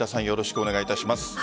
よろしくお願いします。